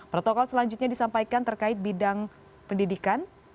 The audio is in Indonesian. protokol selanjutnya disampaikan terkait bidang pendidikan